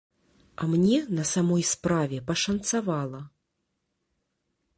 А мне, на самой справе, пашанцавала.